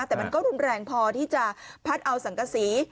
แต่มันก็รุนแรงพอที่จะพัดเอาสังกษี